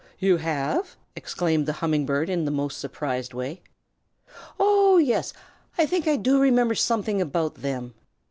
"You have?" exclaimed the Humming Bird in the most surprised way. "Oh yes! I think I do remember something about them.